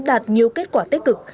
đạt nhiều kết quả tích cực